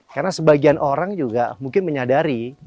karena sebagian orang juga mungkin menyadari